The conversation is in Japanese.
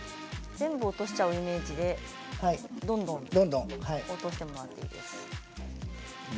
全部落としちゃうイメージでどんどん落としてください。